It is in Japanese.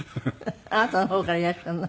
あなたの方からいらっしゃるの？